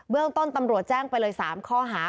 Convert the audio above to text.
เรื่องต้นตำรวจแจ้งไปเลย๓ข้อหา